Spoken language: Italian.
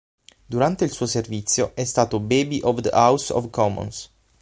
Durante il suo servizio è stato Baby of the House of Commons.